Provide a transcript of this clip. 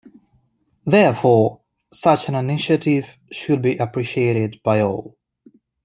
Therefore, such an initiative should be appreciated by all.